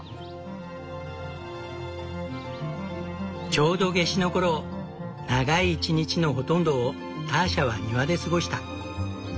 ちょうど夏至の頃長い一日のほとんどをターシャは庭で過ごした。